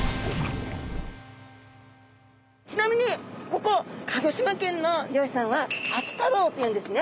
ちなみにここ鹿児島県の漁師さんは秋太郎と言うんですね。